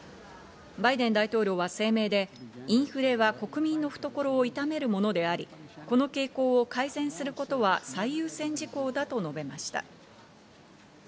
バイデン大統領は声明でインフレが国民の懐を痛めるものであり、この傾向を改善することは最優先事項だと述べました。